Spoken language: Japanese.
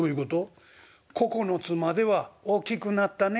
「９つまでは『大きくなったね。